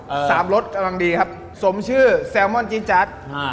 เออสามรสกำลังดีครับสมชื่อแซลมอนจี๊ดจาร์ดอ่า